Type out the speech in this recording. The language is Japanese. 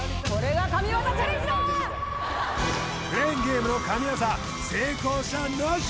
クレーンゲームの神業成功者なし